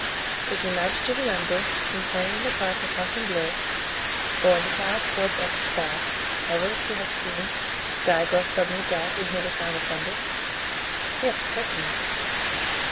"Does your majesty remember, when playing in the park of Fontainebleau, or in the palace courts at Versailles, ever to have seen the sky grow suddenly dark and heard the sound of thunder?" "Yes, certainly."